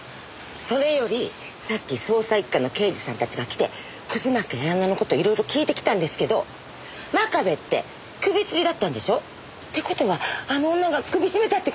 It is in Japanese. それよりさっき捜査一課の刑事さんたちが来て葛巻彩乃の事色々聞いてきたんですけど真壁って首吊りだったんでしょ？って事はあの女が首絞めたって事？